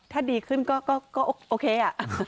ถ้าดีขึ้นก็โอเคอะ